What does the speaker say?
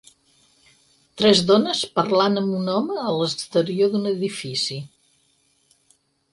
Tres dones parlant amb un home a l'exterior d'un edifici.